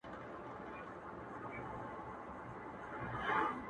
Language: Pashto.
• هر څوک له بل لرې دي,